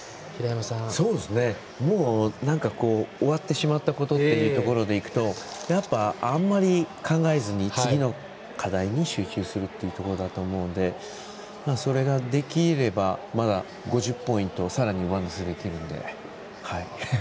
もう終わってしまったとこっていうところでいくとやっぱ、あんまり考えずに次の課題に集中するというところだと思うのでそれができればまだ、５０ポイント上乗せできるので。